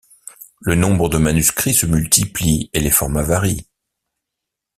Le nombre de manuscrits se multiplie et les formats varient.